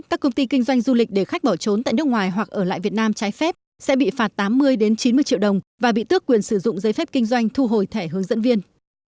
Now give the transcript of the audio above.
các công ty kinh doanh du lịch để khách bỏ trốn tại nước ngoài hoặc ở lại việt nam trái phép sẽ bị phạt tám mươi chín mươi triệu đồng và bị tước quyền sử dụng giấy phép kinh doanh thu hồi thẻ hướng dẫn viên